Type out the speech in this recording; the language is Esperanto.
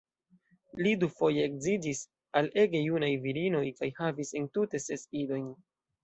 Li dufoje edziĝis al ege junaj virinoj kaj havis entute ses idojn.